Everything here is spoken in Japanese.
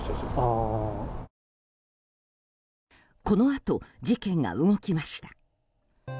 このあと、事件が動きました。